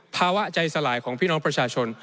ภาวะใจสลายของพี่น้องประชาชน